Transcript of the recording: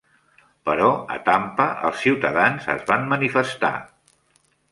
Però a Tampa els ciutadans es van manifestar.